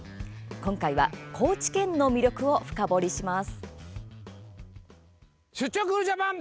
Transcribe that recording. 今回は、高知県の魅力を深掘りします。